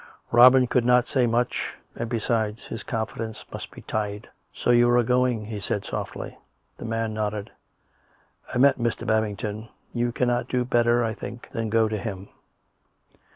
Robin could not say much, and, besides, his confidence must be tied. " So you are going," he said softly. The man nodded. " I met Mr. Babington. ... You cannot do better, I think, than go to him."